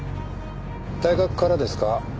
大学からですか？